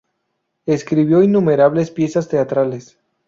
Escribió innumerables piezas teatrales.